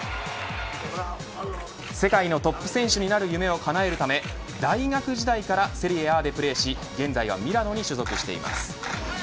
世界のトップ選手になる夢をかなえるため大学時代からセリエＡでプレーし現在はミラノに所属しています。